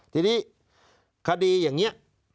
ทีนี้คดีอย่างนี้